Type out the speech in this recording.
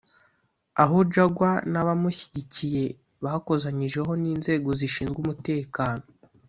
aho Jaguar n’abamushyigikiye bakozanyijeho n’inzego zishinzwe umutekano